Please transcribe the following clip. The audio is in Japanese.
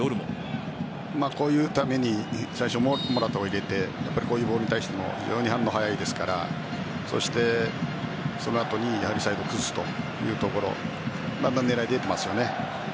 こういうためにモラタを入れてこういうボールに対しても非常に反応が早いですからその後にサイドを崩すというところだんだん狙いが出ていますよね。